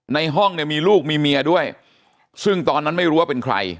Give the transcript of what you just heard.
ในห้องเนี่ยมีลูกมีเมียด้วยซึ่งตอนนั้นไม่รู้ว่าเป็นใคร